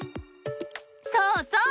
そうそう！